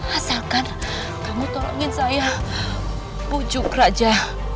asalkan kamu tolongin saya pujuk raja